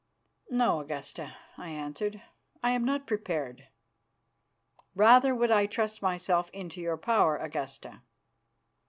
"No, Augusta," I answered, "I am not prepared. Rather would I trust myself into your power, Augusta."